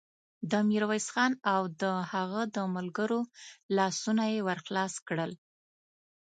د ميرويس خان او د هغه د ملګرو لاسونه يې ور خلاص کړل.